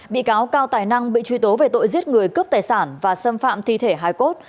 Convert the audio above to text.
bị cáo cao tài năng bị truy tố về tội giết người cướp tài sản và xâm phạm thi thể hai cốt